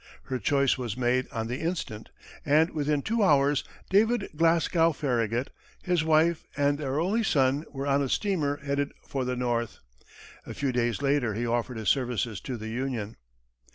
Her choice was made on the instant, and within two hours, David Glasgow Farragut, his wife and their only son, were on a steamer headed for the North. A few days later, he offered his services to the Union.